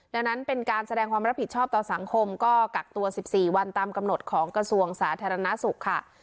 ดังนั้นเป็นการแสดงความรับผิดชอบต่อสังคมก็กักตัว๑๔วันตามกำหนดของกระทรวงสาธารณสุขค่ะ